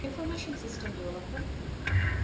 އިންފޮމޭޝަން ސިސްޓަމް ޑިވެލޮޕަރ